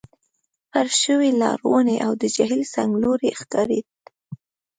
فرش شوي لار، ونې، او د جهیل څنګلوری ښکارېد.